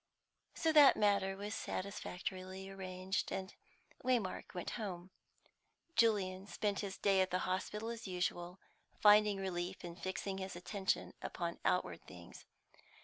So that matter was satisfactorily arranged, and Waymark went home. Julian spent his day at the hospital as usual, finding relief in fixing his attention upon outward things.